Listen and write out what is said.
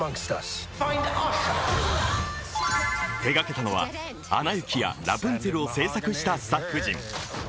手がけたのは「アナ雪」や「ラプンツェル」を制作したスタッフ陣。